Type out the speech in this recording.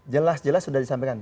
jelas jelas sudah disampaikan